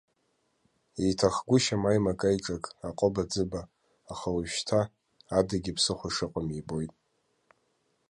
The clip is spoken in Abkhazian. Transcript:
Иҭахгәышьам аимакаиҿак, аҟыбаӡыба, аха уажәшьҭа, адагьы ԥсыхәа шыҟам ибоит.